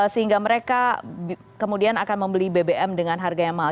sehingga mereka kemudian akan membeli bbm dengan harga yang mahal